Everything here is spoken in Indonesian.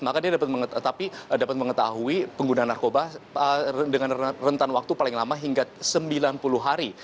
maka dia dapat mengetahui pengguna narkoba dengan rentan waktu paling lama hingga sembilan puluh hari